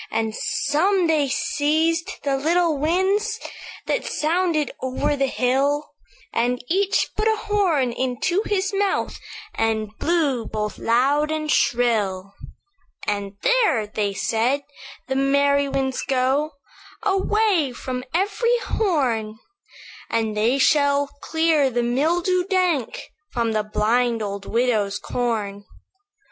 "And some they seized the little winds That sounded over the hill; And each put a horn unto his mouth, And blew both loud and shrill; "'And there,' they said, 'the merry winds go Away from every horn; And they shall clear the mildew dank From the blind old widow's corn.